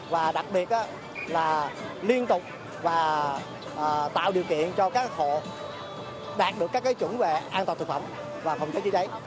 và đặc biệt là liên tục tạo điều kiện cho các hộ đạt được các trụng về an toàn thực phẩm và phòng cháy chứa cháy